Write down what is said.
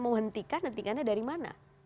menghentikan hentikannya dari mana